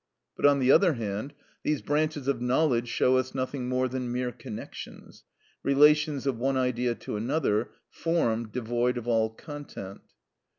But, on the other hand, these branches of knowledge show us nothing more than mere connections, relations of one idea to another, form devoid of all content.